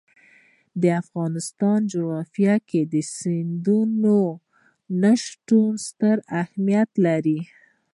د افغانستان جغرافیه کې سمندر نه شتون ستر اهمیت لري.